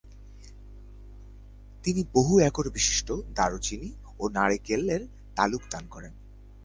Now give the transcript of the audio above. তিনি বহু-একরবিশিষ্ট দারুচিনি ও নারকেলের তালুক দান করেন।